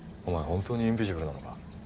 本当にインビジブルなのか？